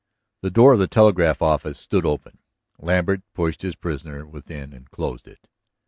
The door of the telegraph office stood open; Lambert pushed his prisoner within and closed it.